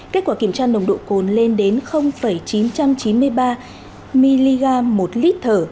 kết quả kiểm tra nồng độ cồn lên đến chín trăm chín mươi ba mg một lít thở